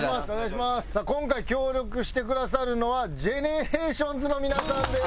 さあ今回協力してくださるのはＧＥＮＥＲＡＴＩＯＮＳの皆さんです。